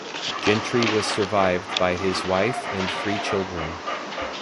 Gentry was survived by his wife and three children.